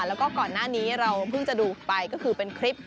แล้วก็ก่อนหน้านี้เราเพิ่งจะดูไปก็คือเป็นคลิป